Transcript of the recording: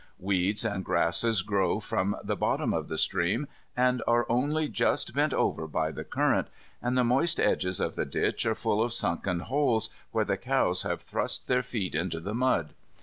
Weeds and grasses grow from the bottom of the stream, and are only just bent over by the current, and the moist edges of the ditch are full of sunken holes, where the cows have thrust their feet into the mud.